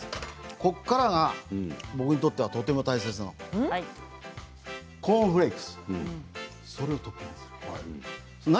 ここからが僕にとってはとても大切なのコーンフレーク。